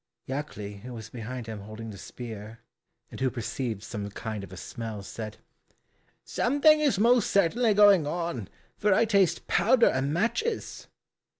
Jackli, who was behind him holding the spear, and who perceived some kind of a smell, said, "Something is most certainly going on, for I taste powder and matches."